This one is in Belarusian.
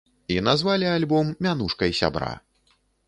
І назвалі альбом мянушкай сябра.